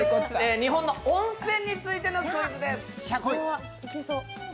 日本の温泉についてのクイズです。